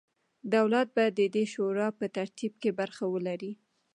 دولت به د دې شورا په ترتیب کې برخه ولري.